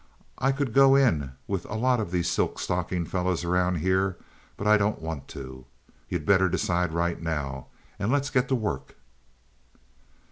I could go in with a lot of these silk stocking fellows around here, but I don't want to. You'd better decide right now, and let's get to work."